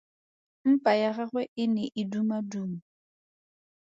Mpa ya gagwe e ne e dumaduma.